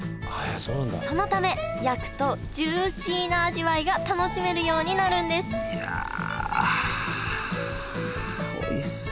そのため焼くとジューシーな味わいが楽しめるようになるんですいやおいしそう。